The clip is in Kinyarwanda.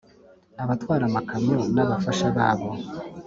abatwara amakamyo n’ababafasha babo